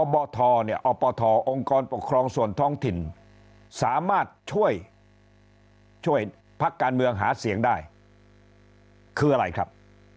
บทเนี่ยอปทองค์กรปกครองส่วนท้องถิ่นสามารถช่วยพักการเมืองหาเสียงได้คืออะไรครับ